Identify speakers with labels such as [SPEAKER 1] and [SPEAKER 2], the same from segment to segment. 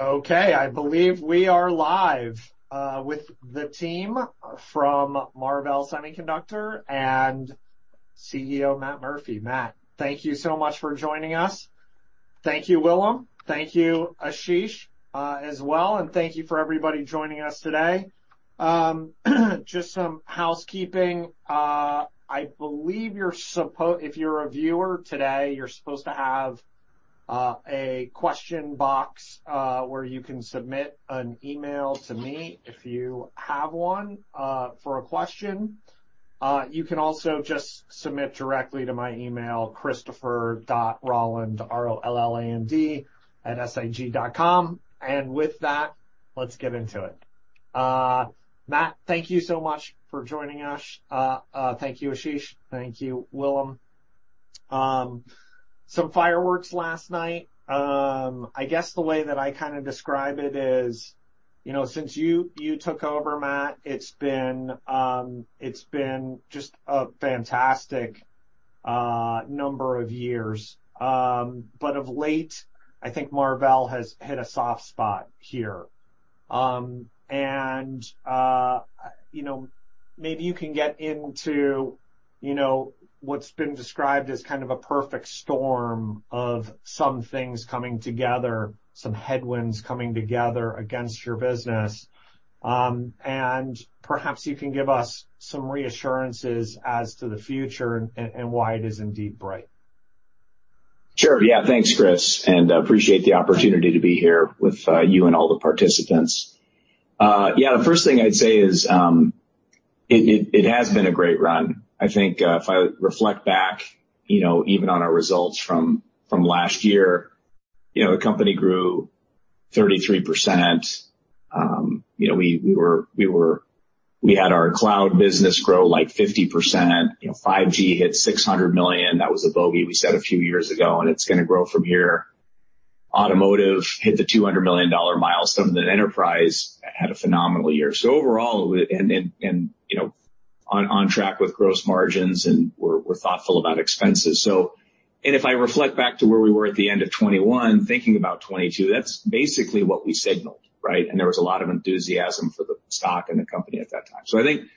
[SPEAKER 1] Okay, I believe we are live with the team from Marvell Semiconductor and CEO Matt Murphy. Matt, thank you so much for joining us. Thank you, Willem. Thank you, Ashish, as well, and thank you for everybody joining us today. Just some housekeeping. I believe if you're a viewer today, you're supposed to have a question box where you can submit an email to me if you have one for a question. You can also just submit directly to my email Christopher.Rolland, R-O-L-L-A-N-D, @sig.com. With that, let's get into it. Matt, thank you so much for joining us. Thank you, Ashish. Thank you, Willem. Some fireworks last night. I guess the way that I kinda describe it is, you know, since you took over, Matt, it's been just a fantastic number of years. Of late, I think Marvell has hit a soft spot here. You know, maybe you can get into, you know, what's been described as kind of a perfect storm of some things coming together, some headwinds coming together against your business. Perhaps you can give us some reassurances as to the future and why it is indeed bright.
[SPEAKER 2] Sure. Yeah. Thanks, Chris, and I appreciate the opportunity to be here with, you and all the participants. Yeah, the first thing I'd say is, it has been a great run. I think, if I reflect back, you know, even on our results from last year, you know, the company grew 33%. You know, we had our cloud business grow, like, 50%. You know, 5G hit $600 million. That was a bogey we set a few years ago, and it's gonna grow from here. Automotive hit the $200 million milestone. The enterprise had a phenomenal year. Overall, and, you know, on track with gross margins, and we're thoughtful about expenses. If I reflect back to where we were at the end of 2021, thinking about 2022, that's basically what we signaled, right? There was a lot of enthusiasm for the stock and the company at that time. I think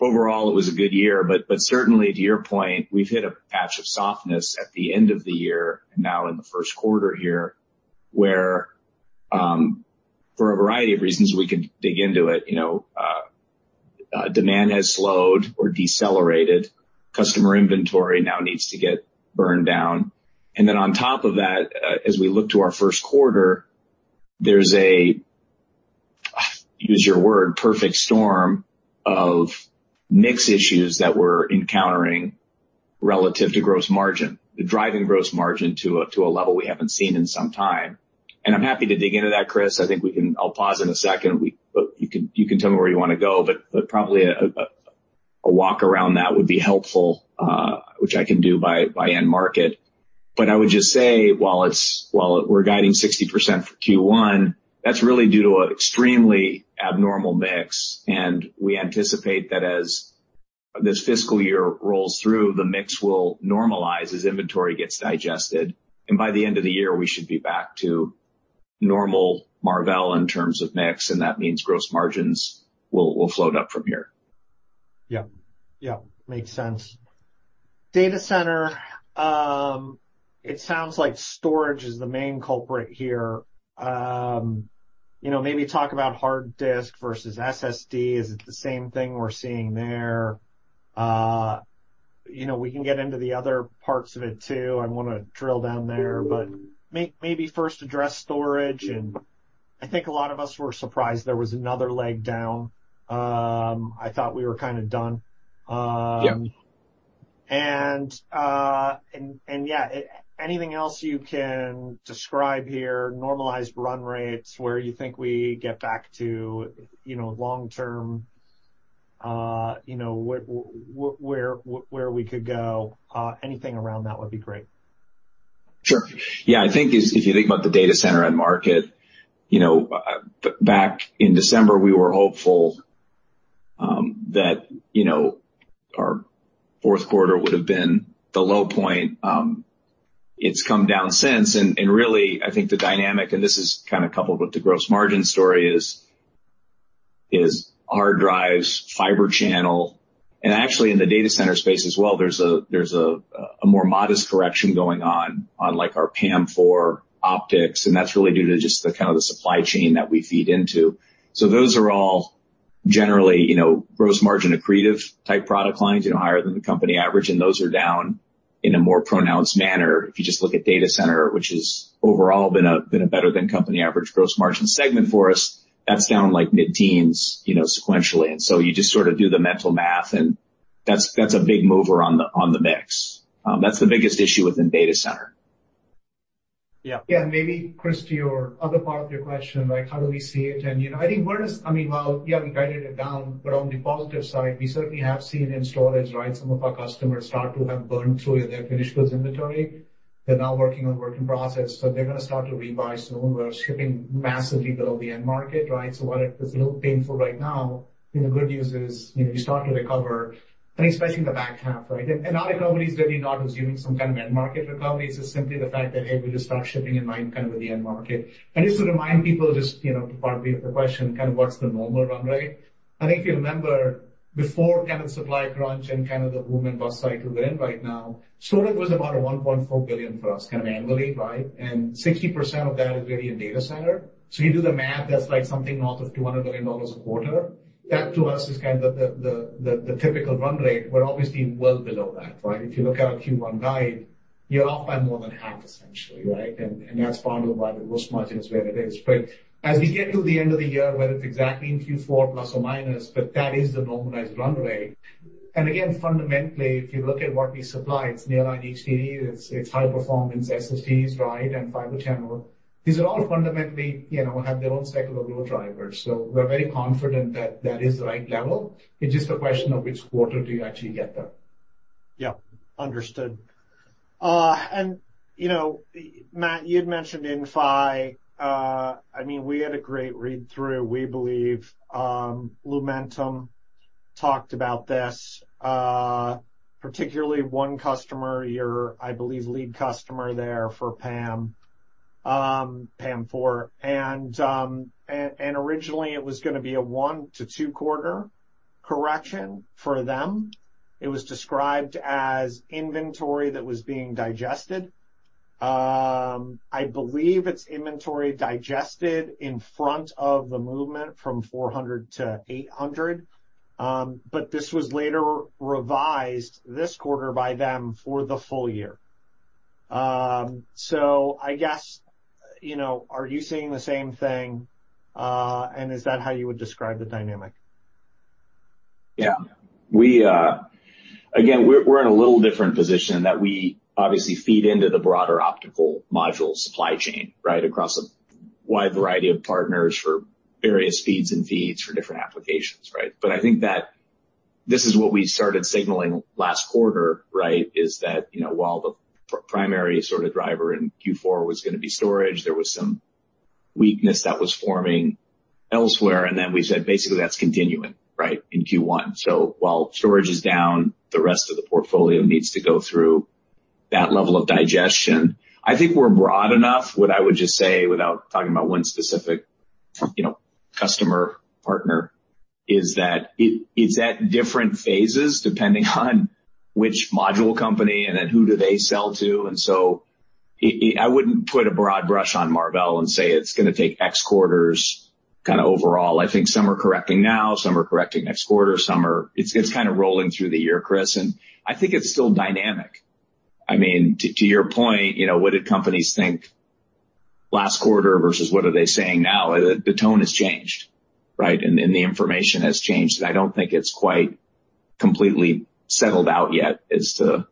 [SPEAKER 2] overall it was a good year. Certainly to your point, we've hit a patch of softness at the end of the year, and now in the first quarter here, where, for a variety of reasons, we could dig into it, you know, demand has slowed or decelerated. Customer inventory now needs to get burned down. Then on top of that, as we look to our first quarter, there's a, use your word, perfect storm of mix issues that we're encountering relative to gross margin. Driving gross margin to a level we haven't seen in some time. I'm happy to dig into that, Chris. I think I'll pause in a second. You can tell me where you wanna go, but probably a walk around that would be helpful, which I can do by end market. I would just say, while we're guiding 60% for Q1, that's really due to an extremely abnormal mix, and we anticipate that as this fiscal year rolls through, the mix will normalize as inventory gets digested. By the end of the year, we should be back to normal Marvell in terms of mix, and that means gross margins will float up from here.
[SPEAKER 1] Yeah. Yeah. Makes sense. Data center, it sounds like storage is the main culprit here. You know, maybe talk about hard disk versus SSD. Is it the same thing we're seeing there? You know, we can get into the other parts of it too. I wanna drill down there, but maybe first address storage. I think a lot of us were surprised there was another leg down. I thought we were kinda done.
[SPEAKER 2] Yeah.
[SPEAKER 1] Yeah, anything else you can describe here, normalized run rates, where you think we get back to, you know, long term, you know, where we could go? Anything around that would be great.
[SPEAKER 2] Sure. Yeah. I think if you think about the data center end market, you know, back in December, we were hopeful that, you know, our fourth quarter would have been the low point. It's come down since, and really I think the dynamic, and this is kinda coupled with the gross margin story, is hard drives, Fibre Channel, and actually in the data center space as well, there's a more modest correction going on on, like, our PAM4 optics, and that's really due to just the, kinda the supply chain that we feed into. Those are all generally, you know, gross margin accretive type product lines, you know, higher than the company average, and those are down in a more pronounced manner. If you just look at data center, which has overall been a better than company average gross margin segment for us, that's down, like, mid-teens, you know, sequentially. You just sorta do the mental math, and that's a big mover on the mix. That's the biggest issue within data center.
[SPEAKER 1] Yeah.
[SPEAKER 3] Maybe, Chris, to your other part of your question, like how do we see it? You know, I mean, while, yeah, we guided it down, but on the positive side, we certainly have seen in storage, right, some of our customers start to have burned through their finished goods inventory. They're now working on working process. They're gonna start to rebuy soon. We're shipping massively below the end market, right? While it is a little painful right now, you know, the good news is, you know, you start to recover and especially in the back half, right? Our recovery is really not assuming some kind of end market recovery. It's just simply the fact that, hey, we just start shipping in line kind of with the end market. Just to remind people, just, you know, to part of the question, kind of what's the normal run rate? I think if you remember before kind of the supply crunch and kind of the boom and bust cycle we're in right now, storage was about $1.4 billion for us kind of annually, right? 60% of that is really in data center. You do the math, that's like something north of $200 billion a quarter. That to us is kind of the typical run rate. We're obviously well below that, right? If you look at our Q1 guide, you're off by more than half, essentially, right? That's part of why the gross margin is where it is. As we get to the end of the year, whether it's exactly in Q4 plus or minus, but that is the normalized run rate. Again, fundamentally, if you look at what we supply, it's nearline HDD, it's high-performance SSDs, right, and Fibre Channel. These are all fundamentally, you know, have their own secular growth drivers. We're very confident that that is the right level. It's just a question of which quarter do you actually get there.
[SPEAKER 1] Yeah. Understood. You know, Matt, you'd mentioned Inphi. I mean, we had a great read-through, we believe. Lumentum talked about this, particularly one customer, your, I believe, lead customer there for PAM, PAM4. Originally it was gonna be a one to two quarter correction for them. It was described as inventory that was being digested. I believe it's inventory digested in front of the movement from 400 to 800. This was later revised this quarter by them for the full year. I guess, you know, are you seeing the same thing, and is that how you would describe the dynamic?
[SPEAKER 2] We, again, we're in a little different position in that we obviously feed into the broader optical module supply chain. Across a wide variety of partners for various speeds and feeds for different applications. I think that this is what we started signaling last quarter, is that, you know, while the primary sort of driver in Q4 was gonna be storage, there was some weakness that was forming elsewhere, and then we said, basically, that's continuing in Q1. While storage is down, the rest of the portfolio needs to go through that level of digestion. I think we're broad enough. What I would just say, without talking about one specific, you know, customer partner, is that it's at different phases depending on which module company and then who do they sell to. I wouldn't put a broad brush on Marvell and say it's gonna take X quarters kind of overall. I think some are correcting now, some are correcting next quarter, some are. It's kind of rolling through the year, Chris. I think it's still dynamic. I mean, to your point, you know, what did companies think last quarter versus what are they saying now? The tone has changed, right? The information has changed. I don't think it's quite completely settled out yet as to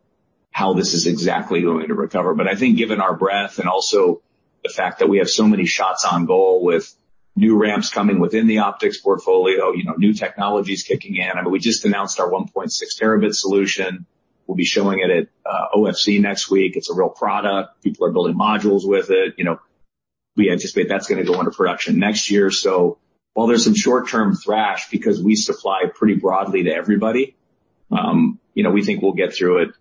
[SPEAKER 2] how this is exactly going to recover. I think given our breadth and also the fact that we have so many shots on goal with new ramps coming within the optics portfolio, you know, new technologies kicking in. I mean, we just announced our 1.6 Tb solution. We'll be showing it at OFC next week. It's a real product. People are building modules with it. You know, we anticipate that's gonna go into production next year. While there's some short-term thrash because we supply pretty broadly to everybody, you know, we think we'll get through it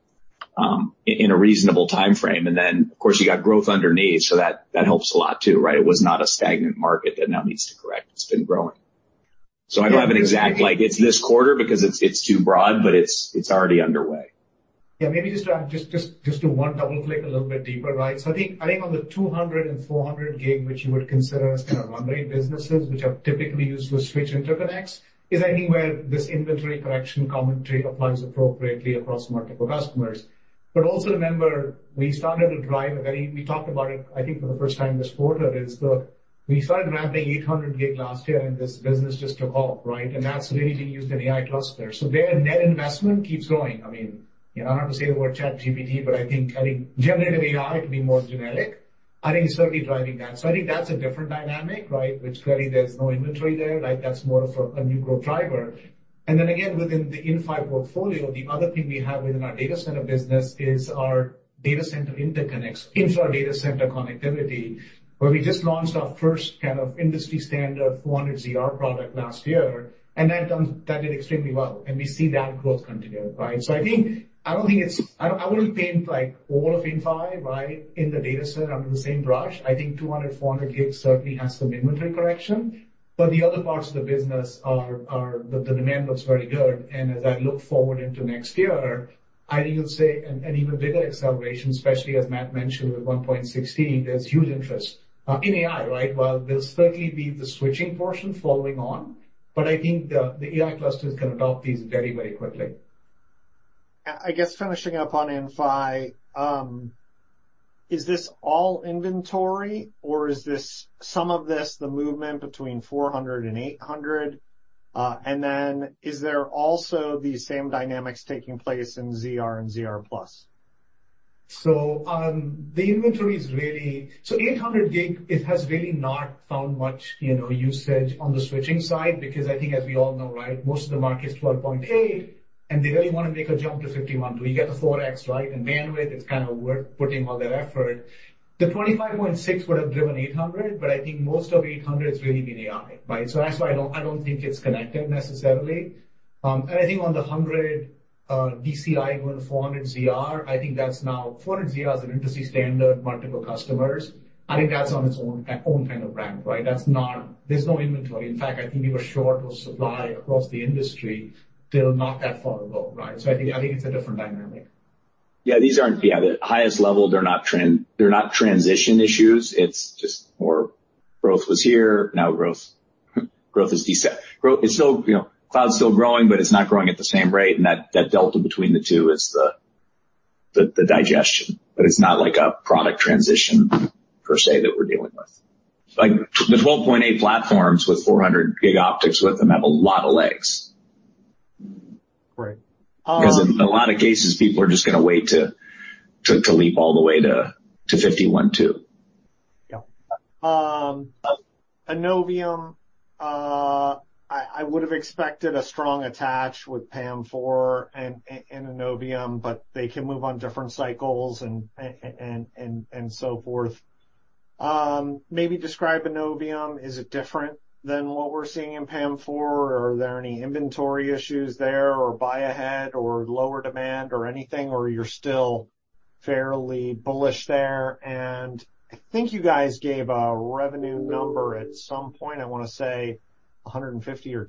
[SPEAKER 2] in a reasonable timeframe. Of course, you got growth underneath, so that helps a lot too, right? It was not a stagnant market that now needs to correct. It's been growing. I don't have an exact like it's this quarter because it's too broad, but it's already underway.
[SPEAKER 3] Yeah. Maybe just to add, just to want to double-click a little bit deeper, right? I think on the 200 and 400 Gb, which you would consider as kind of run rate businesses, which are typically used for switch interconnects, is I think where this inventory correction commentary applies appropriately across multiple customers. Also remember, we started to drive a very, we talked about it, I think, for the first time this quarter, is, we started ramping 800 Gb last year, and this business just took off, right? That's really being used in AI clusters. Their net investment keeps growing. I mean, you know, I don't have to say the word ChatGPT, but I think generative AI, to be more generic, I think it's certainly driving that. I think that's a different dynamic, right? Which really there's no inventory there, right? That's more of a new growth driver. Again, within the Inphi portfolio, the other thing we have within our data center business is our data center interconnects, infra data center connectivity, where we just launched our first kind of industry standard 400ZR product last year, that did extremely well, and we see that growth continue, right? I think I don't think it's I wouldn't paint like all of Inphi, right, in the data center under the same brush. I think 200, 400 Gb certainly has some inventory correction, the other parts of the business demand looks very good. As I look forward into next year, I even say an even bigger acceleration, especially as Matt mentioned with 1.6T, there's huge interest in AI, right? While there's certainly be the switching portion following on, I think the AI clusters can adopt these very, very quickly.
[SPEAKER 1] I guess finishing up on Inphi, is this all inventory or is this some of this the movement between 400 and 800? Then is there also the same dynamics taking place in ZR and ZR+?
[SPEAKER 3] 800 Gb, it has really not found much, you know, usage on the switching side because I think as we all know, right, most of the market is 12.8. They really wanna make a jump to 51.2. You get the 4x, right? Bandwidth, it's kinda worth putting all that effort. The 25.6 would have driven 800, but I think most of 800 has really been AI, right? That's why I don't, I don't think it's connected necessarily. I think on the 100 DCI going to 400ZR, I think that's now 400ZR is an industry standard, multiple customers. I think that's on its own kind of ramp, right? That's not there's no inventory. In fact, I think we were short on supply across the industry till not that far ago, right? I think, I think it's a different dynamic.
[SPEAKER 2] Yeah, the highest level, they're not transition issues. It's just more growth was here, now growth is still, you know, cloud's still growing, but it's not growing at the same rate, and that delta between the two is the, the digestion. It's not like a product transition per se that we're dealing with. The 12.8T platforms with 400 Gb optics with them have a lot of legs.
[SPEAKER 1] Right.
[SPEAKER 2] 'Cause in a lot of cases, people are just gonna wait to leap all the way to 51.2T.
[SPEAKER 1] Yeah. Innovium, I would have expected a strong attach with PAM4 and Innovium, but they can move on different cycles and so forth. Maybe describe Innovium. Is it different than what we're seeing in PAM4, or are there any inventory issues there or buy ahead or lower demand or anything, or you're still fairly bullish there? I think you guys gave a revenue number at some point. I wanna say $150 or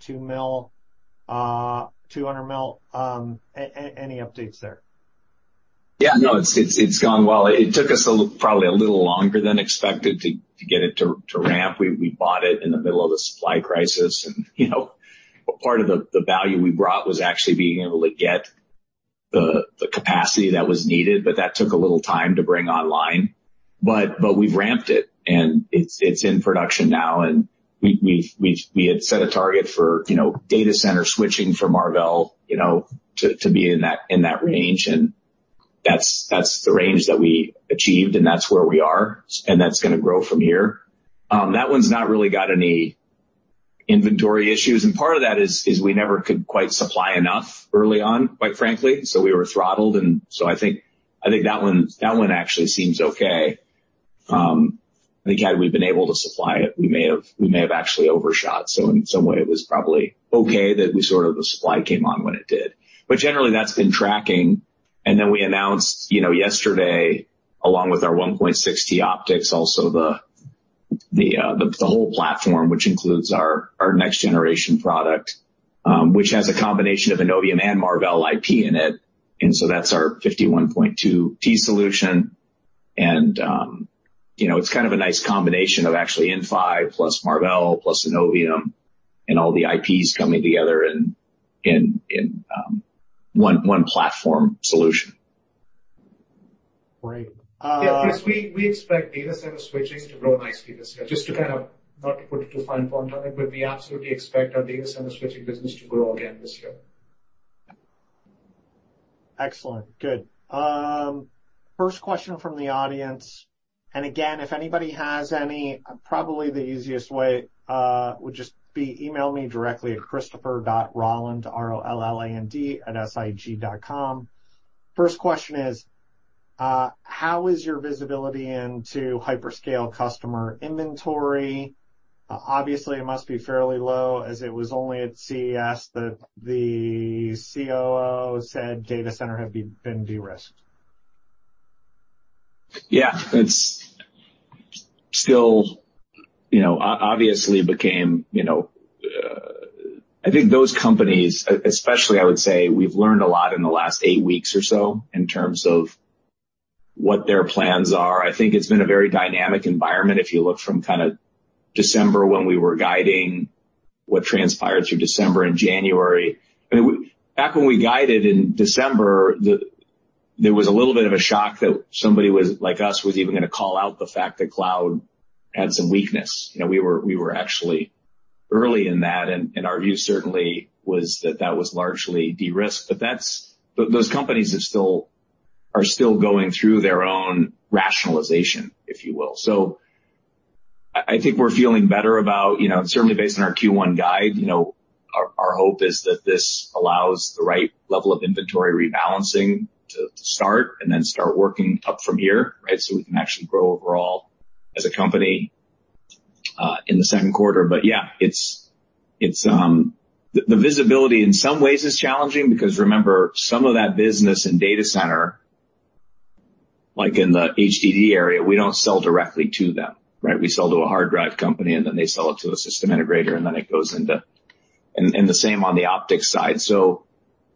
[SPEAKER 1] $200 million. Any updates there?
[SPEAKER 2] Yeah, no, it's gone well. It took us probably a little longer than expected to get it to ramp. We bought it in the middle of the supply crisis and, you know. Part of the value we brought was actually being able to get the capacity that was needed, but that took a little time to bring online. We've ramped it, and it's in production now, and we had set a target for, you know, data center switching for Marvell, you know, to be in that range. That's the range that we achieved, and that's where we are. That's gonna grow from here. That one's not really got any inventory issues. Part of that is, we never could quite supply enough early on, quite frankly. We were throttled. I think that one actually seems okay. I think had we been able to supply it, we may have, we may have actually overshot. In some way, it was probably okay that the supply came on when it did. Generally, that's been tracking. Then we announced, you know, yesterday, along with our 1.6T optics, also the whole platform, which includes our next generation product, which has a combination of Innovium and Marvell IP in it. That's our 51.2T solution. You know, it's kind of a nice combination of actually Inphi plus Marvell plus Innovium and all the IPs coming together in one platform solution.
[SPEAKER 1] Great.
[SPEAKER 3] Yeah, Chris, we expect data center switching to grow nicely this year. Just to kind of, not to put too fine a point on it, but we absolutely expect our data center switching business to grow again this year.
[SPEAKER 1] Excellent. Good. First question from the audience. Again, if anybody has any, probably the easiest way, would just be email me directly at Christopher.Rolland, R-O-L-L-A-N-D, @sig.com. First question is, how is your visibility into hyperscale customer inventory? Obviously, it must be fairly low as it was only at CES that the COO said data center have been de-risked.
[SPEAKER 2] Yeah. It's still, you know, obviously became, you know, I think those companies, especially I would say, we've learned a lot in the last eight weeks or so in terms of what their plans are. I think it's been a very dynamic environment. If you look from kind of December when we were guiding what transpired through December and January. I mean, back when we guided in December, there was a little bit of a shock that somebody was, like us, was even gonna call out the fact that cloud had some weakness. You know, we were actually early in that, and our view certainly was that that was largely de-risked. Those companies are still going through their own rationalization, if you will. I think we're feeling better about, you know, certainly based on our Q1 guide, you know, our hope is that this allows the right level of inventory rebalancing to start and then start working up from here, right? We can actually grow overall as a company in the second quarter. Yeah, it's the visibility in some ways is challenging because remember, some of that business in data center, like in the HDD area, we don't sell directly to them, right? We sell to a hard drive company, and then they sell it to a system integrator, and then it goes into... The same on the optics side.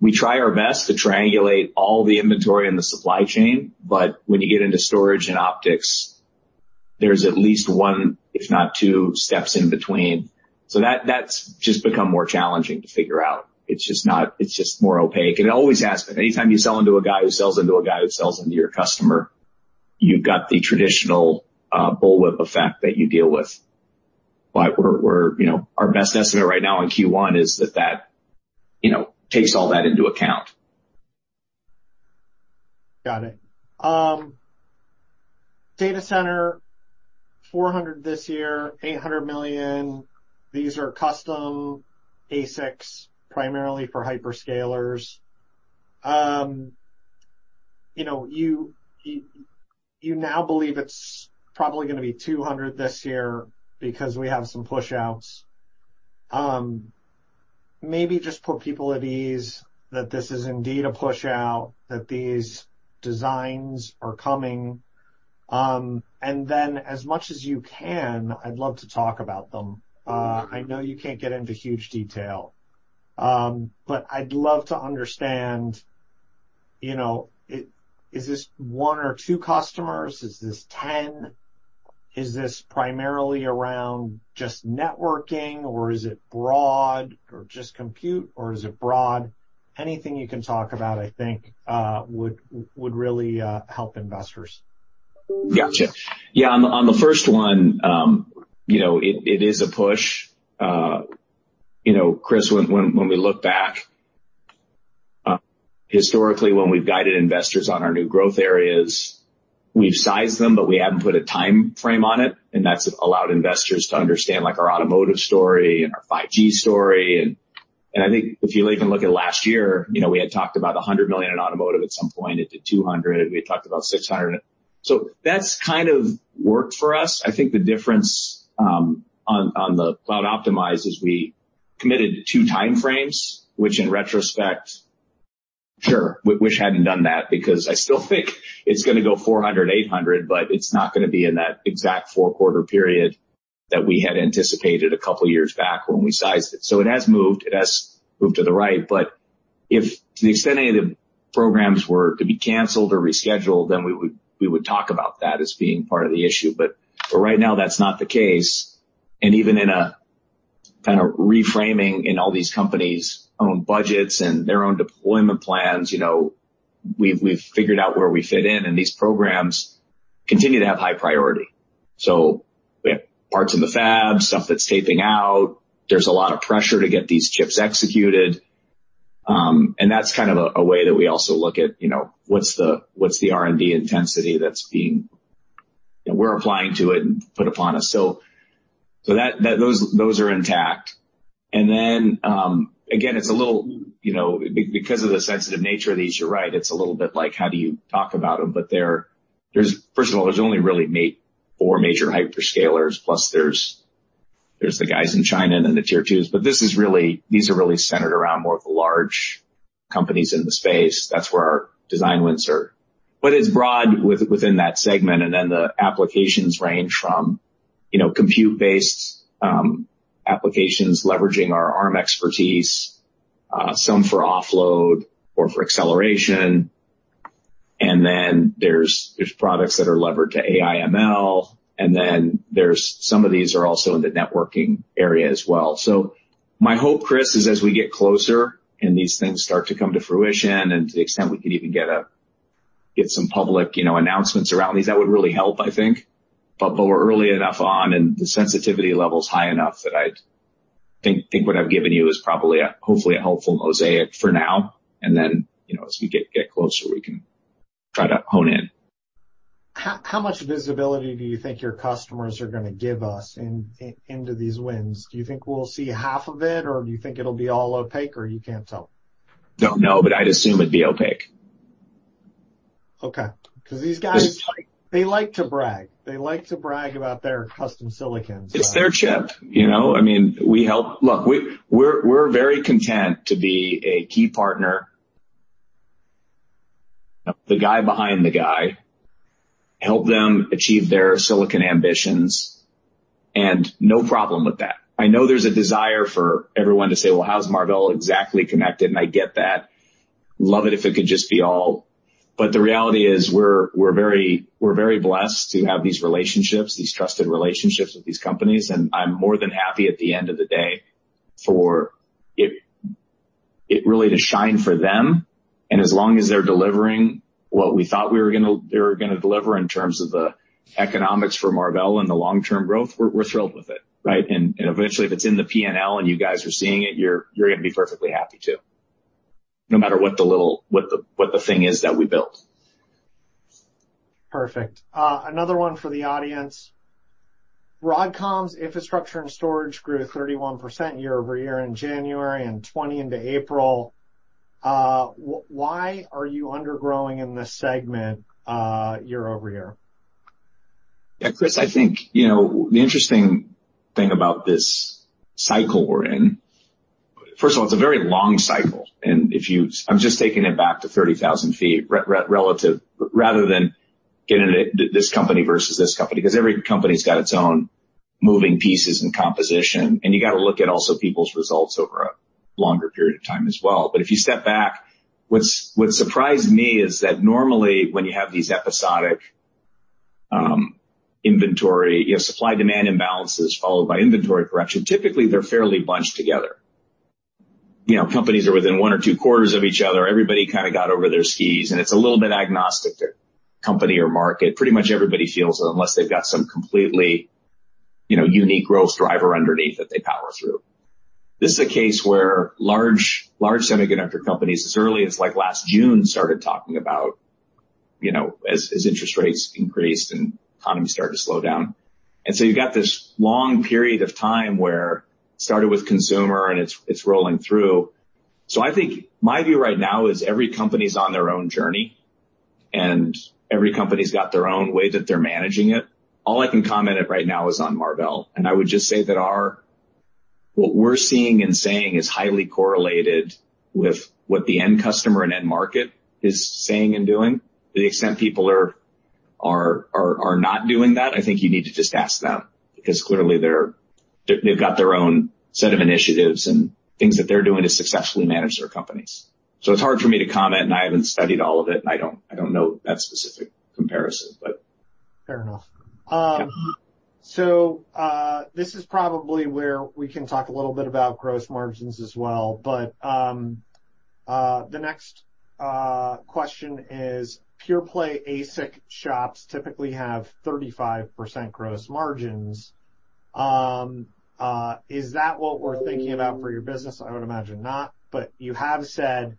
[SPEAKER 2] We try our best to triangulate all the inventory in the supply chain, but when you get into storage and optics, there's at least one, if not two, steps in between. That's just become more challenging to figure out. It's just more opaque. It always has been. Anytime you sell into a guy who sells into a guy who sells into your customer, you've got the traditional bullwhip effect that you deal with. We're, you know, our best estimate right now in Q1 is that that, you know, takes all that into account.
[SPEAKER 1] Got it. Data center, $400 million this year, $800 million. These are custom ASICs, primarily for hyperscalers. You know, you now believe it's probably gonna be $200 million this year because we have some push-outs. Maybe just put people at ease that this is indeed a push-out, that these designs are coming. As much as you can, I'd love to talk about them. I know you can't get into huge detail, but I'd love to understand, you know, is this one or two customers? Is this 10? Is this primarily around just networking, or is it broad? Just compute or is it broad? Anything you can talk about, I think, really help investors.
[SPEAKER 2] Gotcha. Yeah, on the first one, you know, it is a push. You know, Chris, when we look back, historically when we've guided investors on our new growth areas, we've sized them, but we haven't put a timeframe on it, and that's allowed investors to understand, like, our automotive story and our 5G story. I think if you even look at last year, you know, we had talked about $100 million in automotive at some point. It did $200 million. We had talked about $600 million. That's kind of worked for us. I think the difference on the cloud-optimized is we committed to two timeframes, which in retrospect, sure, wish I hadn't done that because I still think it's gonna go 400, 800, but it's not gonna be in that exact 4-quarter period that we had anticipated a couple years back when we sized it. It has moved. It has moved to the right. If to the extent any of the programs were to be canceled or rescheduled, then we would talk about that as being part of the issue. Right now that's not the case, and even in a kind of reframing in all these companies' own budgets and their own deployment plans, you know, we've figured out where we fit in, and these programs continue to have high priority. We have parts in the fab, stuff that's taping out. There's a lot of pressure to get these chips executed, and that's kind of a way that we also look at, you know, what's the R&D intensity that we're applying to it and put upon us. So those are intact. Then, again, it's a little, you know, because of the sensitive nature of these, you're right, it's a little bit like how do you talk about them? There's, first of all, there's only really four major hyperscalers, plus there's the guys in China and then the tier twos. This is really, these are really centered around more of the large companies in the space. That's where our design wins are. It's broad within that segment. Then the applications range from, you know, compute-based applications leveraging our Arm expertise, some for offload or for acceleration. Then there's products that are levered to AI ML. Then some of these are also in the networking area as well. My hope, Chris, is as we get closer and these things start to come to fruition and to the extent we could even get some public, you know, announcements around these, that would really help, I think. We're early enough on, and the sensitivity level's high enough that I think what I've given you is probably a hopefully a helpful mosaic for now. Then, you know, as we get closer, we can try to hone in.
[SPEAKER 1] How much visibility do you think your customers are gonna give us into these wins? Do you think we'll see half of it, or do you think it'll be all opaque, or you can't tell?
[SPEAKER 2] Don't know, but I'd assume it'd be opaque.
[SPEAKER 1] Okay. 'Cause these guys, they like to brag. They like to brag about their custom silicons.
[SPEAKER 2] It's their chip, you know? I mean, Look, we're very content to be a key partner. The guy behind the guy. Help them achieve their silicon ambitions, no problem with that. I know there's a desire for everyone to say, "Well, how's Marvell exactly connected?" I get that. Love it if it could just be all. The reality is we're very blessed to have these relationships, these trusted relationships with these companies, and I'm more than happy at the end of the day for it really to shine for them. As long as they're delivering what we thought they were gonna deliver in terms of the economics for Marvell and the long-term growth, we're thrilled with it, right? Eventually if it's in the P&L and you guys are seeing it, you're gonna be perfectly happy too, no matter what the little, what the thing is that we built.
[SPEAKER 1] Perfect. another one for the audience. Broadcom's infrastructure and storage grew 31% year-over-year in January and 20% into April. why are you undergrowing in this segment, year-over-year?
[SPEAKER 2] Yeah, Chris, I think, you know, the interesting thing about this cycle we're in, first of all, it's a very long cycle, and if you I'm just taking it back to 30,000 feet relative rather than getting into this company versus this company, 'cause every company's got its own moving pieces and composition, and you gotta look at also people's results over a longer period of time as well. If you step back, what's surprised me is that normally when you have these episodic, inventory, you know, supply-demand imbalances followed by inventory correction, typically they're fairly bunched together. You know, companies are within 1 or 2 quarters of each other. Everybody kinda got over their skis, and it's a little bit agnostic company or market, pretty much everybody feels it unless they've got some completely, you know, unique growth driver underneath that they power through. This is a case where large semiconductor companies as early as like last June started talking about, you know, as interest rates increased and economy started to slow down. You've got this long period of time where it started with consumer and it's rolling through. I think my view right now is every company's on their own journey, and every company's got their own way that they're managing it. All I can comment it right now is on Marvell, and I would just say that what we're seeing and saying is highly correlated with what the end customer and end market is saying and doing. To the extent people are not doing that, I think you need to just ask them because clearly they've got their own set of initiatives and things that they're doing to successfully manage their companies. It's hard for me to comment, and I haven't studied all of it, and I don't, I don't know that specific comparison, but.
[SPEAKER 1] Fair enough. This is probably where we can talk a little bit about gross margins as well. The next question is, pure play ASIC shops typically have 35% gross margins. Is that what we're thinking about for your business? I would imagine not. You have said,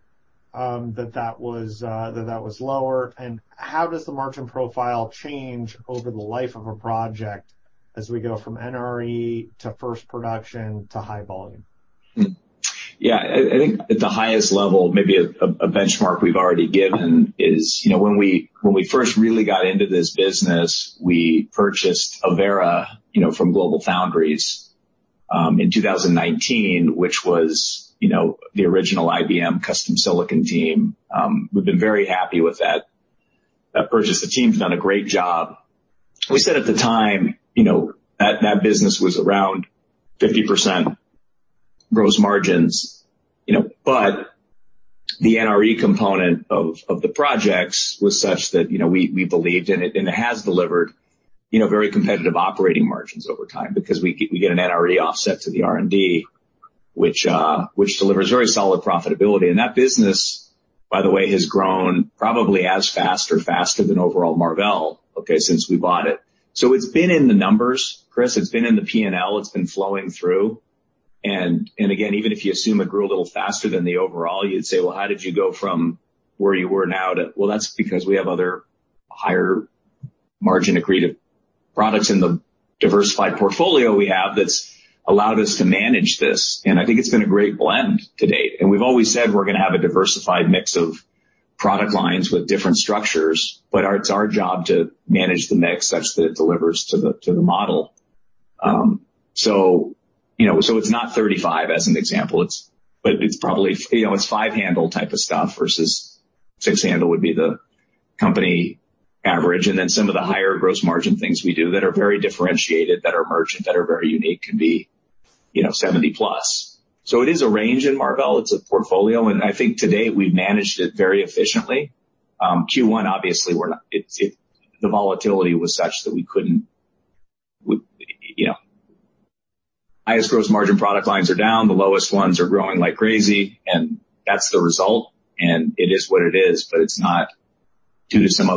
[SPEAKER 1] that that was that that was lower. How does the margin profile change over the life of a project as we go from NRE to first production to high volume?
[SPEAKER 2] Yeah, I think at the highest level, maybe a benchmark we've already given is, you know, when we, when we first really got into this business, we purchased Avera, you know, from GlobalFoundries in 2019, which was, you know, the original IBM custom silicon team. We've been very happy with that purchase. The team's done a great job. We said at the time, you know, that business was around 50% gross margins, you know. The NRE component of the projects was such that, you know, we believed and it, and it has delivered, you know, very competitive operating margins over time because we get an NRE offset to the R&D, which delivers very solid profitability. That business, by the way, has grown probably as fast or faster than overall Marvell, okay, since we bought it. It's been in the numbers, Chris. It's been in the P&L, it's been flowing through. Again, even if you assume it grew a little faster than the overall, you'd say, "Well, how did you go from where you were now to?" Well, that's because we have other higher margin accretive products in the diversified portfolio we have that's allowed us to manage this. I think it's been a great blend to date. We've always said we're gonna have a diversified mix of product lines with different structures, but it's our job to manage the mix such that it delivers to the model. You know, so it's not 35 as an example. It's probably, you know, it's five handle type of stuff versus six handle would be the company average. Then some of the higher gross margin things we do that are very differentiated, that are merchant, that are very unique can be, you know, seventy plus. It is a range in Marvell. It's a portfolio, and I think today we've managed it very efficiently. Q1, obviously the volatility was such that we couldn't, we, you know, highest gross margin product lines are down, the lowest ones are growing like crazy, and that's the result, and it is what it is. It's not due to some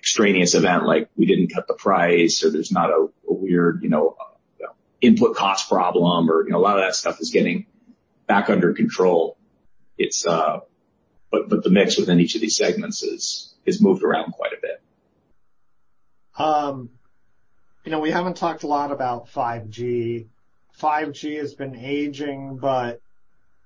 [SPEAKER 2] other extraneous event like we didn't cut the price or there's not a weird, you know, input cost problem or, you know, a lot of that stuff is getting back under control. It's, but the mix within each of these segments has moved around quite a bit.
[SPEAKER 1] You know, we haven't talked a lot about 5G. 5G has been aging,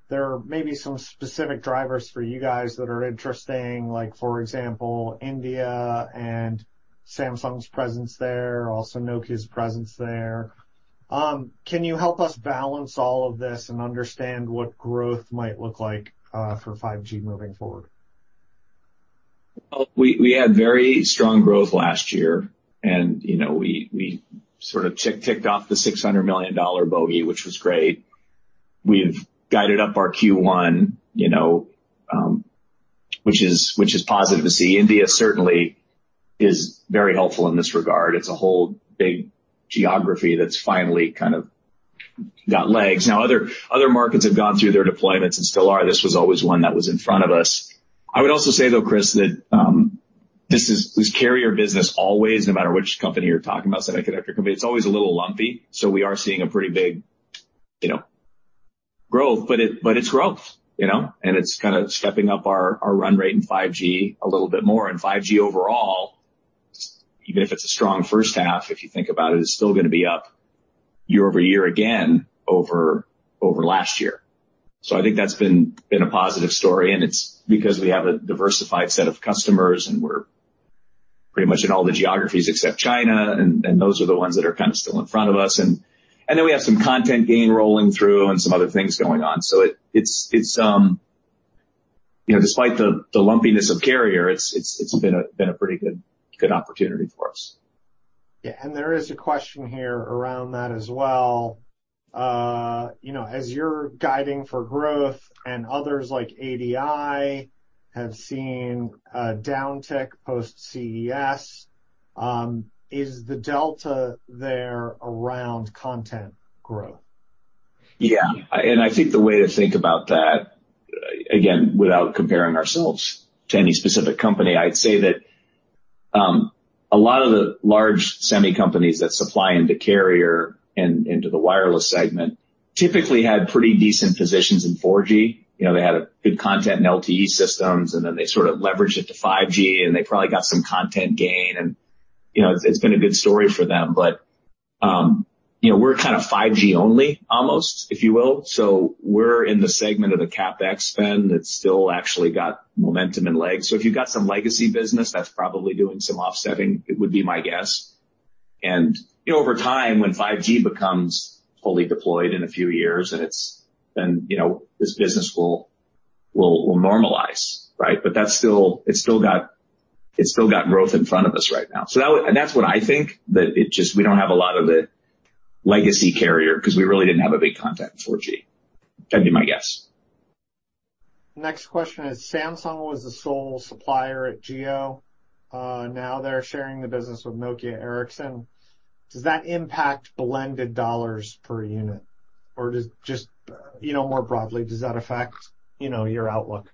[SPEAKER 1] there may be some specific drivers for you guys that are interesting, like for example, India and Samsung's presence there, also Nokia's presence there. Can you help us balance all of this and understand what growth might look like for 5G moving forward?
[SPEAKER 2] We had very strong growth last year and, you know, we sort of ticked off the $600 million bogey, which was great. We've guided up our Q1, you know, which is, which is positive to see. India certainly is very helpful in this regard. It's a whole big geography that's finally kind of got legs. Other markets have gone through their deployments and still are. This was always one that was in front of us. I would also say though, Chris, that this carrier business always, no matter which company you're talking about, semiconductor company, it's always a little lumpy. We are seeing a pretty big, you know, growth, but it's growth, you know. It's kinda stepping up our run rate in 5G a little bit more. 5G overall, even if it's a strong first half, if you think about it's still gonna be up year-over-year again over last year. I think that's been a positive story, and it's because we have a diversified set of customers and we're pretty much in all the geographies except China, and those are the ones that are kind of still in front of us. Then we have some content gain rolling through and some other things going on. It's, you know, despite the lumpiness of carrier, it's been a pretty good opportunity for us.
[SPEAKER 1] Yeah. There is a question here around that as well. you know, as you're guiding for growth and others like ADI have seen a downtick post CES, is the delta there around content growth?
[SPEAKER 2] Yeah. I think the way to think about that, again, without comparing ourselves to any specific company, I'd say that a lot of the large semi companies that supply into carrier and into the wireless segment typically had pretty decent positions in 4G. You know, they had a good content in LTE systems, they sort of leveraged it to 5G, they probably got some content gain. You know, it's been a good story for them. You know, we're kind of 5G only almost, if you will. We're in the segment of the CapEx spend that's still actually got momentum and legs. If you've got some legacy business that's probably doing some offsetting, it would be my guess. You know, over time, when 5G becomes fully deployed in a few years, then, you know, this business will normalize, right? That's still got growth in front of us right now. That's what I think, that we don't have a lot of the legacy carrier because we really didn't have a big content in 4G. That'd be my guess.
[SPEAKER 1] Next question is Samsung was the sole supplier at Jio. Now they're sharing the business with Nokia, Ericsson. Does that impact blended dollars per unit? Does just, you know, more broadly, does that affect, you know, your outlook?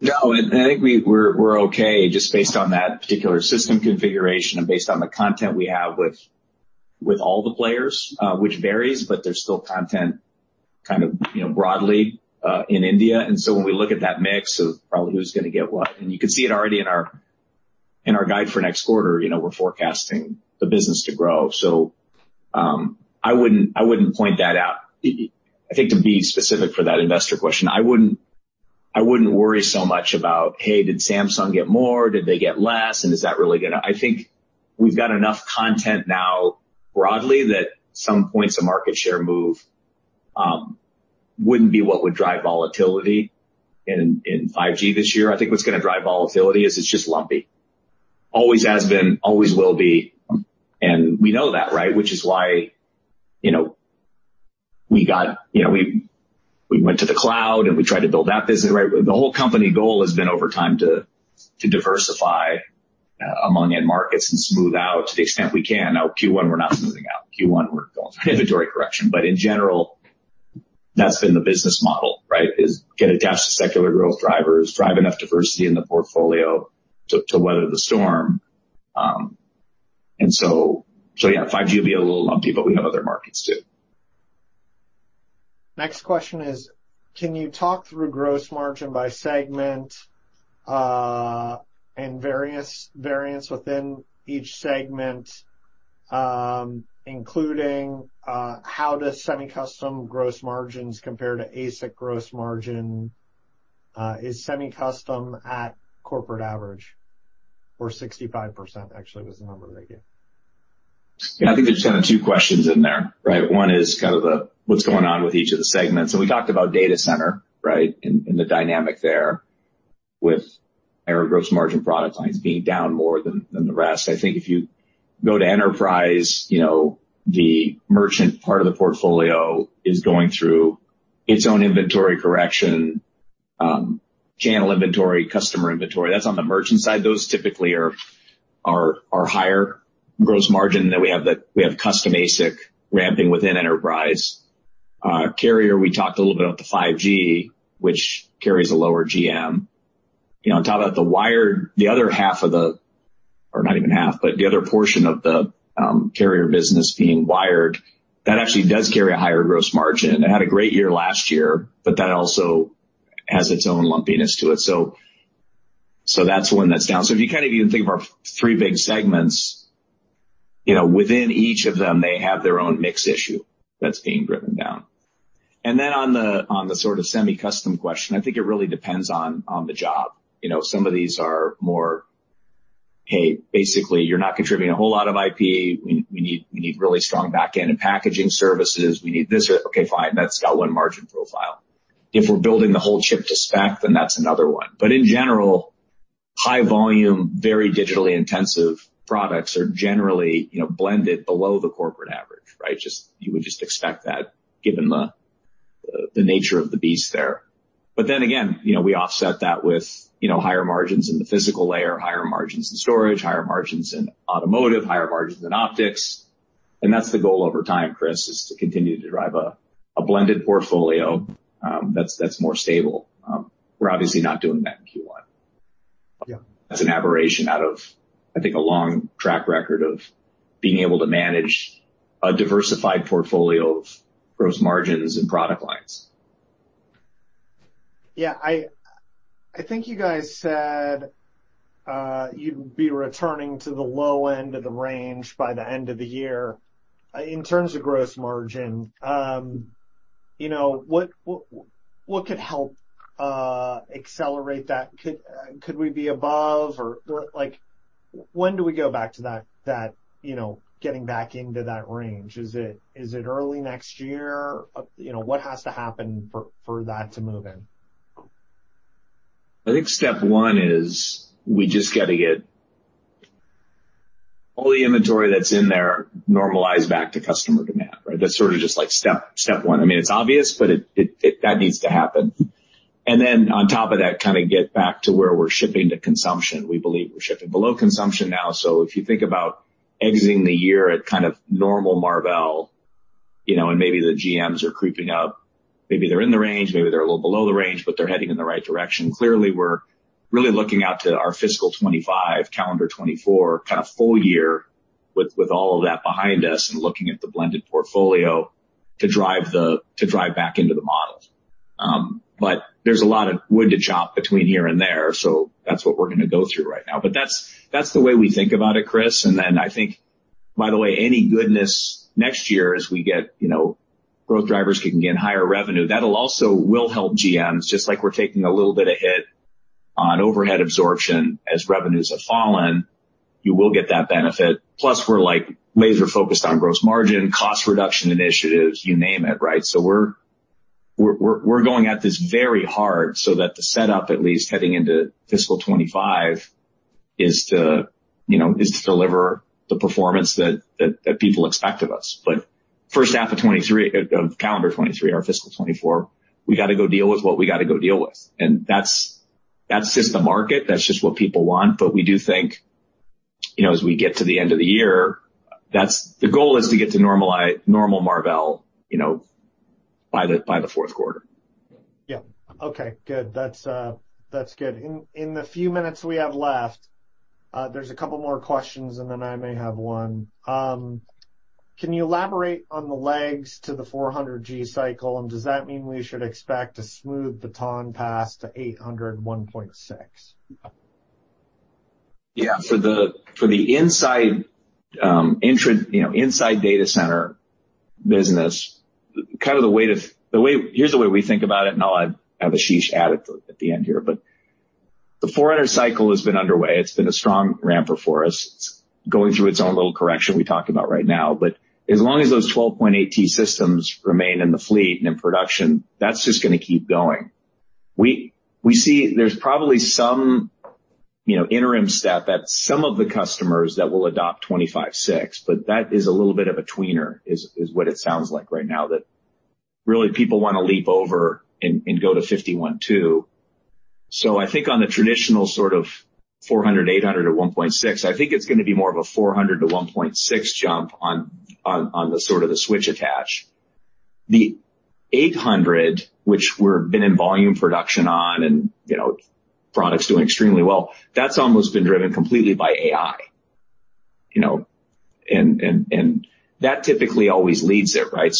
[SPEAKER 2] No, I think we're okay just based on that particular system configuration and based on the content we have with all the players, which varies, but there's still content kind of, you know, broadly in India. When we look at that mix of probably who's gonna get what, and you can see it already in our, in our guide for next quarter, you know, we're forecasting the business to grow. I wouldn't, I wouldn't point that out. I think to be specific for that investor question, I wouldn't, I wouldn't worry so much about, hey, did Samsung get more? Did they get less? I think we've got enough content now broadly that some points of market share move wouldn't be what would drive volatility in 5G this year. I think what's gonna drive volatility is it's just lumpy. Always has been, always will be, we know that, right? Which is why, you know, we went to the cloud, we tried to build that business, right? The whole company goal has been over time to diversify among end markets and smooth out to the extent we can. Now, Q1, we're not smoothing out. Q1, we're going through inventory correction. In general, that's been the business model, right, is get attached to secular growth drivers, drive enough diversity in the portfolio to weather the storm. Yeah, 5G will be a little lumpy, we have other markets too.
[SPEAKER 1] Next question is, can you talk through gross margin by segment and various variance within each segment, including how does semi-custom gross margins compare to ASIC gross margin? Is semi-custom at corporate average, or 65% actually was the number they gave.
[SPEAKER 2] I think there's kind of two questions in there, right? One is kind of the what's going on with each of the segments. We talked about data center, right, and the dynamic there with our gross margin product lines being down more than the rest. I think if you go to enterprise, you know, the merchant part of the portfolio is going through its own inventory correction, channel inventory, customer inventory. That's on the merchant side. Those typically are higher gross margin. We have custom ASIC ramping within enterprise. Carrier, we talked a little bit about the 5G, which carries a lower GM. You know, on top of that, the wired the other half of the... Or not even half, but the other portion of the carrier business being wired, that actually does carry a higher gross margin. It had a great year last year, but that also has its own lumpiness to it. That's one that's down. If you kind of even think of our three big segments, you know, within each of them, they have their own mix issue that's being driven down. Then on the sort of semi-custom question, I think it really depends on the job. You know, some of these are more, "Hey, basically, you're not contributing a whole lot of IP. We need really strong back-end and packaging services. We need this or..." Okay, fine. That's got one margin profile. If we're building the whole chip to spec, then that's another one. In general, high volume, very digitally intensive products are generally, you know, blended below the corporate average, right? You would just expect that given the nature of the beast there. Again, you know, we offset that with, you know, higher margins in the physical layer, higher margins in storage, higher margins in automotive, higher margins in optics. That's the goal over time, Chris, is to continue to drive a blended portfolio that's more stable. We're obviously not doing that in Q1.
[SPEAKER 1] Yeah.
[SPEAKER 2] That's an aberration out of, I think, a long track record of being able to manage a diversified portfolio of gross margins and product lines.
[SPEAKER 1] Yeah. I think you guys said, you'd be returning to the low end of the range by the end of the year. In terms of gross margin, you know, what could help accelerate that? Could we be above or like when do we go back to that, you know, getting back into that range? Is it early next year? You know, what has to happen for that to move in?
[SPEAKER 2] I think step one is we just gotta get all the inventory that's in there normalized back to customer demand, right? That's sort of just like step one. I mean, it's obvious, but that needs to happen. And then on top of that, kind of get back to where we're shipping to consumption. We believe we're shipping below consumption now. If you think about exiting the year at kind of normal Marvell, you know, and maybe the GMs are creeping up, maybe they're in the range, maybe they're a little below the range, but they're heading in the right direction. Clearly, we're really looking out to our fiscal 2025, calendar 2024 kind of full year with all of that behind us and looking at the blended portfolio to drive back into the model. There's a lot of wood to chop between here and there, so that's what we're gonna go through right now. That's the way we think about it, Chris. I think, by the way, any goodness next year as we get, you know, growth drivers can get higher revenue, that'll also will help GMs. Just like we're taking a little bit of hit on overhead absorption as revenues have fallen, you will get that benefit. Plus we're, like, laser focused on gross margin, cost reduction initiatives, you name it, right? We're going at this very hard so that the setup, at least heading into fiscal 25, is to, you know, is to deliver the performance that people expect of us. First half of calendar 2023, our fiscal 2024, we gotta go deal with what we gotta go deal with. That's just the market. That's just what people want. We do think, you know, as we get to the end of the year, the goal is to get to normal Marvell, you know, by the fourth quarter.
[SPEAKER 1] Yeah. Okay, good. That's, that's good. In, in the few minutes we have left, there's a couple more questions, and then I may have one. Can you elaborate on the lags to the 400G cycle, and does that mean we should expect a smooth baton pass to 800 and 1.6?
[SPEAKER 2] Yeah. For the, for the inside, you know, inside data center business, Here's the way we think about it, and I'll have Ashish add it at the end here. The 400 cycle has been underway. It's been a strong ramper for us. It's going through its own little correction we talked about right now. As long as those 12.8T systems remain in the fleet and in production, that's just gonna keep going. We see there's probably some, you know, interim step that some of the customers that will adopt 25.6, but that is a little bit of a tweener, is what it sounds like right now, that really people wanna leap over and go to 51.2. I think on the traditional sort of 400, 800 to 1.6T, I think it's gonna be more of a 400 to 1.6T jump on the sort of the switch attach. The 800, which been in volume production on and, you know, product's doing extremely well, that's almost been driven completely by AI, you know. That typically always leads it, right?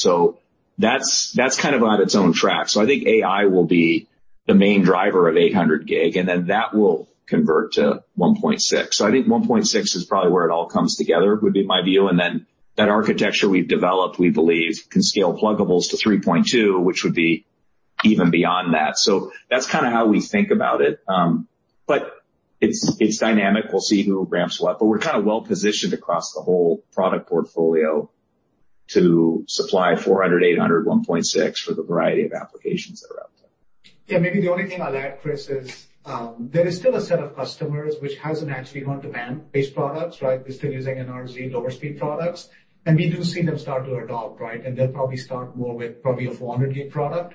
[SPEAKER 2] That's kind of on its own track. I think AI will be the main driver of 800 Gb, and then that will convert to 1.6T. I think 1.6T is probably where it all comes together, would be my view. That architecture we've developed, we believe can scale pluggables to 3.2, which would be even beyond that. That's kinda how we think about it. It's, it's dynamic. We'll see who ramps what. We're kinda well positioned across the whole product portfolio to supply 400, 800, 1.6 for the variety of applications that are out there.
[SPEAKER 3] Yeah. Maybe the only thing I'll add, Chris, is, there is still a set of customers which hasn't actually gone to PAM-based products, right? They're still using NRZ lower speed products. We do see them start to adopt, right? They'll probably start more with probably a 400 Gb product.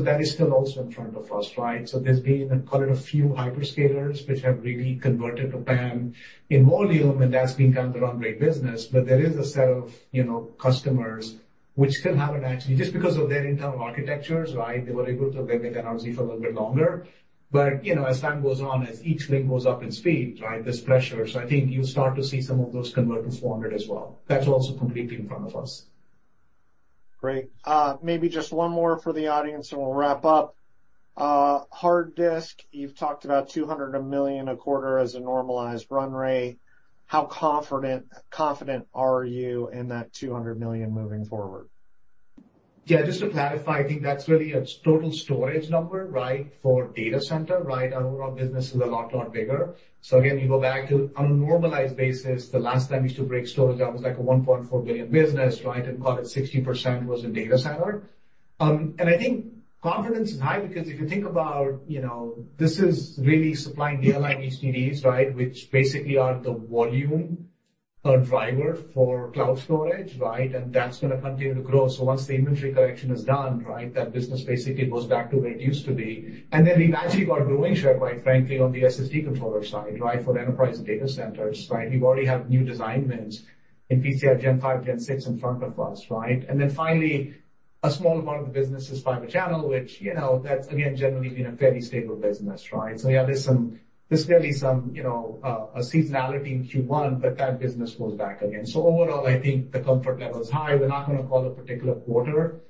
[SPEAKER 3] That is still also in front of us, right? There's been, call it a few hyperscalers which have really converted to PAM in volume, and that's been kind of the run rate business. There is a set of, you know, customers which still haven't actually, just because of their internal architectures, right, they were able to live with NRZ for a little bit longer. You know, as time goes on, as each link goes up in speed, right, there's pressure. I think you'll start to see some of those convert to 400 as well. That's also completely in front of us.
[SPEAKER 1] Great. Maybe just one more for the audience, and we'll wrap up. Hard disk, you've talked about $200 million a quarter as a normalized run rate. How confident are you in that $200 million moving forward?
[SPEAKER 3] Yeah. Just to clarify, I think that's really a total storage number, right? For data center, right? Our overall business is a lot bigger. Again, you go back to on a normalized basis, the last time we used to break storage, that was like a $1.4 billion business, right? Call it 60% was in data center. I think confidence is high because if you think about, you know, this is really supplying nearline HDDs, right? Which basically are the volume driver for cloud storage, right? That's gonna continue to grow. Once the inventory correction is done, right, that business basically goes back to where it used to be. Then we've actually got growing share, quite frankly, on the SSD controller side, right? For enterprise data centers, right? We already have new design wins in PCIe Gen 5, Gen 6 in front of us, right? Finally, a small amount of the business is Fibre Channel, which, you know, that's again, generally been a fairly stable business, right? Yeah, there's gonna be some, you know, a seasonality in Q1, but that business grows back again. Overall, I think the comfort level is high. We're not gonna call a particular quarter,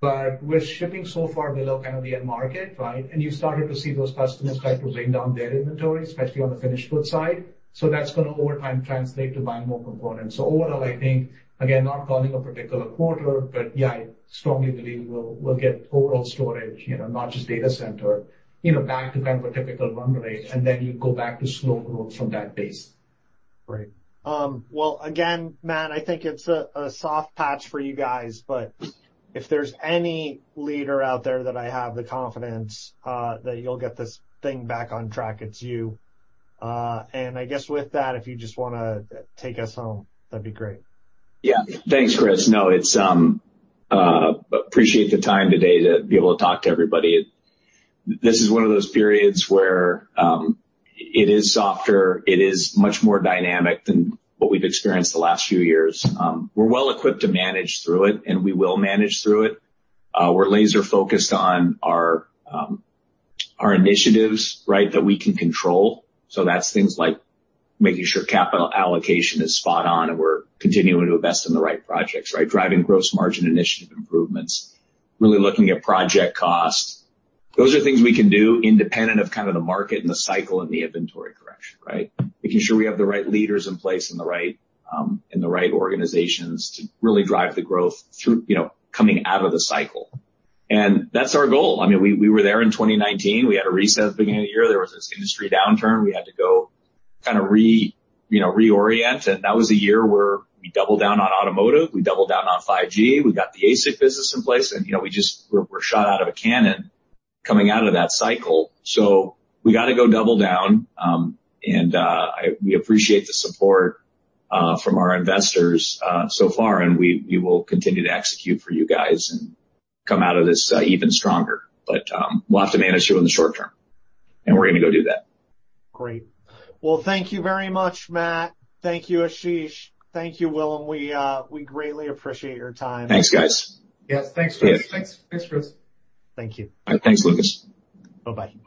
[SPEAKER 3] but we're shipping so far below kind of the end market, right? You started to see those customers start to bring down their inventory, especially on the finished goods side. That's gonna over time translate to buying more components. Overall, I think, again, not calling a particular quarter, but yeah, I strongly believe we'll get overall storage, you know, not just data center, you know, back to kind of a typical run rate, and then you go back to slow growth from that base.
[SPEAKER 1] Great. Well, again, Matt, I think it's a soft patch for you guys, but if there's any leader out there that I have the confidence, that you'll get this thing back on track, it's you. I guess with that, if you just wanna take us home, that'd be great.
[SPEAKER 2] Yeah. Thanks, Chris. No, it's, appreciate the time today to be able to talk to everybody. This is one of those periods where it is softer, it is much more dynamic than what we've experienced the last few years. We're well equipped to manage through it, and we will manage through it. We're laser focused on our initiatives, right, that we can control. That's things like making sure capital allocation is spot on and we're continuing to invest in the right projects, right? Driving gross margin initiative improvements, really looking at project costs. Those are things we can do independent of kind of the market and the cycle and the inventory correction, right? Making sure we have the right leaders in place in the right, in the right organizations to really drive the growth through, you know, coming out of the cycle. That's our goal. I mean, we were there in 2019. We had a reset at the beginning of the year. There was this industry downturn. We had to go kinda you know, reorient, that was a year where we doubled down on automotive, we doubled down on 5G, we got the ASIC business in place, you know, we're shot out of a cannon coming out of that cycle. We gotta go double down. We appreciate the support from our investors so far, we will continue to execute for you guys and come out of this even stronger. We'll have to manage you in the short term, and we're gonna go do that.
[SPEAKER 1] Great. Thank you very much, Matt. Thank you, Ashish. Thank you, Willem. We greatly appreciate your time.
[SPEAKER 2] Thanks, guys.
[SPEAKER 3] Yes. Thanks, Chris.
[SPEAKER 1] Yes.
[SPEAKER 3] Thanks. Thanks, Chris.
[SPEAKER 1] Thank you.
[SPEAKER 2] Thanks, Chris.
[SPEAKER 1] Bye-bye.